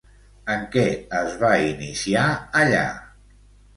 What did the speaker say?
En què es va iniciar allà?